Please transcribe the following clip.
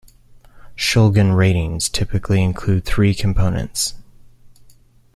"Shulgin Ratings" typically include three components.